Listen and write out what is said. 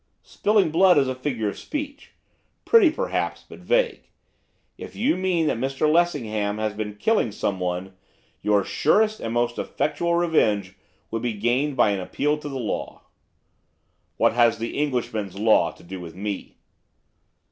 '"Spilling blood" is a figure of speech; pretty, perhaps, but vague. If you mean that Mr Lessingham has been killing someone, your surest and most effectual revenge would be gained by an appeal to the law.' 'What has the Englishman's law to do with me?